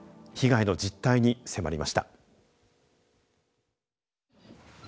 被害の実態に迫りました。